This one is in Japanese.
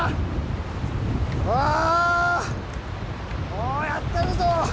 もうやったるぞ！